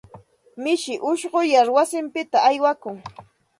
Mishi ushquyar wasinpita aywakun.